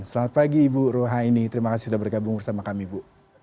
selamat pagi ibu rohaini terima kasih sudah bergabung bersama kami bu